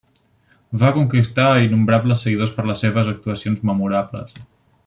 Va conquistar a innombrables seguidors per les seves actuacions memorables.